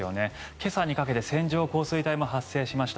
今朝にかけて線状降水帯も発生しました。